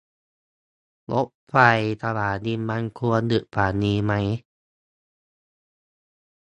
รถไฟสนามบินมันควรดึกกว่านี้ไหม